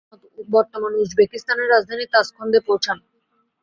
তিনি বর্তমান উজবেকিস্তানের রাজধানী তাসখন্দে পৌছান।